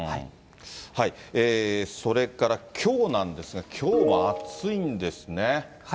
それから、きょうなんですが、きょうも暑いんですね。